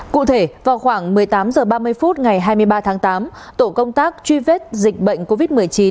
cụ thể vào khoảng một mươi tám h ba mươi phút ngày hai mươi ba tháng tám tổ công tác truy vết dịch bệnh covid một mươi chín